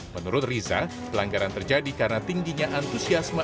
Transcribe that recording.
menurut riza pelanggaran terjadi karena tingginya antusiasme